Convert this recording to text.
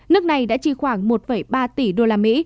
nước này đã chi khoảng một ba tỷ usd